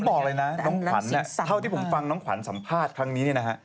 บอกเลยนะน้องขวัญเท่าที่ผมฟังน้องขวัญสัมภาษณ์ครั้งนี้เนี่ยนะฮะ